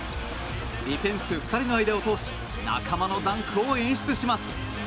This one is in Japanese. ディフェンス２人の間を通し仲間のダンクを演出します。